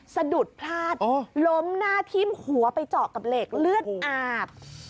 สะดุดพลาดล้มหน้าทิ่มหัวไปเจาะกับเหล็กเลือดอาบ